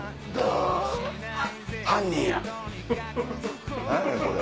犯人や。